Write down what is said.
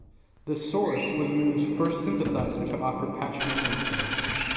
The Source was Moog's first synthesizer to offer patch memory storage.